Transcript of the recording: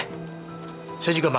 muka sebenarnya jenis merap